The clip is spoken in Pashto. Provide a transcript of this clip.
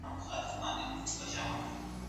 سالم خواړه ګټور باکتریاوې زیاتوي.